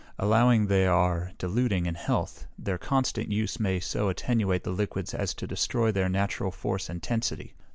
Allowing they are diluting in health, their constant use may so attenuate the liquids as to destroy their natural force and tensity.